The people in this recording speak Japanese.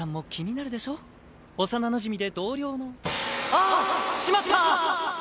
あーっ！しまった！！